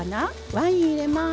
ワイン入れます。